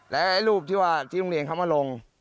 และรูปที่ว่าที่โรงเรียนเขามาลง